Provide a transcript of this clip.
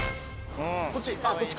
こっち？